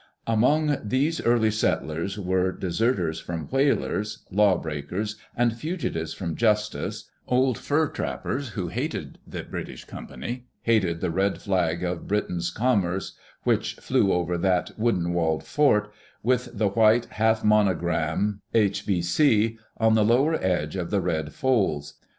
Among these eariy settlers were deserters from whalers, law breakers and fugitives from justice, old fur trappers who hated the British Company, hated the red flag of Britain's commerce which flew over that wooden walled fort, with the white, half monogram f^ Q on the lower edge of the red folds.